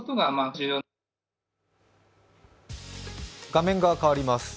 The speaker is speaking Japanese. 画面変わります。